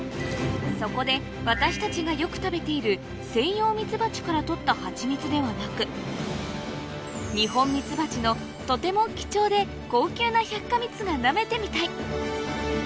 そこで私たちがよく食べているセイヨウミツバチから取ったハチミツではなくニホンミツバチのとても貴重で高級な百花蜜がなめてみたい